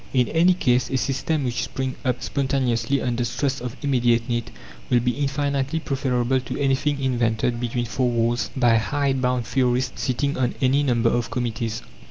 In any case, a system which springs up spontaneously, under stress of immediate need, will be infinitely preferable to anything invented between four walls by hide bound theorists sitting on any number of committees.